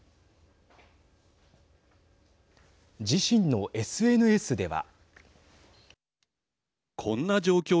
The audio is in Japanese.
自身のＳＮＳでは。